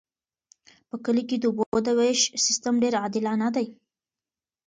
په کلي کې د اوبو د ویش سیستم ډیر عادلانه دی.